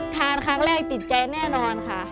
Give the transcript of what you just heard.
ทานครั้งแรกติดใจแน่นอนค่ะ